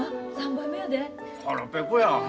腹ペコや。